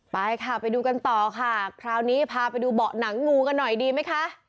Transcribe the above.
ไปค่ะไปดูกันต่อค่ะคราวนี้พาไปดูเบาะหนังงูกันหน่อยดีไหมคะ